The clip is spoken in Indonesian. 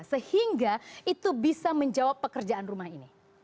sehingga itu bisa menjawab pekerjaan rumah ini